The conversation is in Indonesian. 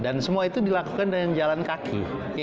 dan semua itu dilakukan dengan jalan kaki